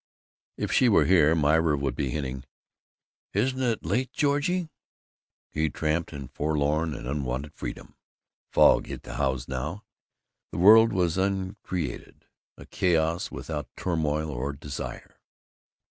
If she were here Myra would be hinting, "Isn't it late, Georgie?" He tramped in forlorn and unwanted freedom. Fog hid the house now. The world was uncreated, a chaos without turmoil or desire.